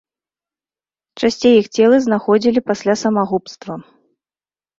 Часцей іх целы знаходзілі пасля самагубства.